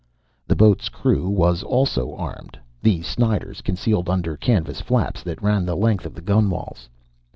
The boat's crew was also armed, the Sniders concealed under canvas flaps that ran the length of the gunwales.